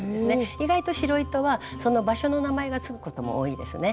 意外と白糸はその場所の名前が付くことも多いですね。